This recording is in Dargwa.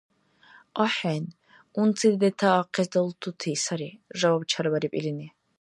— АхӀен, унци детаахъес далтути сари, — жаваб чарбариб илини.